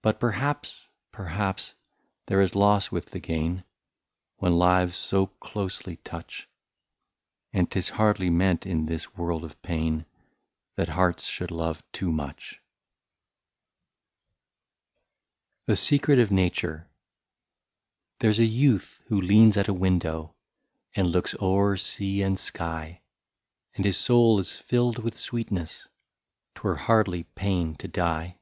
But perhaps, perhaps, there is loss with the gain. When lives so closely touch ; And 't is hardly meant in this world of pain, That hearts should love overmuch." 26 A SECRET OF NATURE. There 's a youth who leans at a window, And looks o'er sea and sky, And his soul is filled with sweetness, — 'T were hardly pain to die.